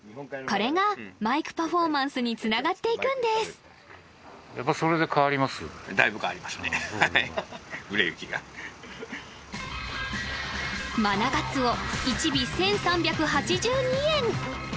これがマイクパフォーマンスにつながっていくんですマナガツオ１尾１３８２円